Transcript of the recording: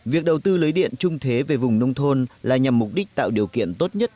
việc đầu tư lưới điện trung thế về vùng nông thôn là nhằm mục đích tạo điều kiện tốt nhất